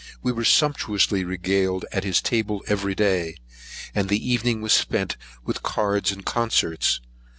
We were sumptuously regaled at his table every day, and the evening was spent with cards and concerts.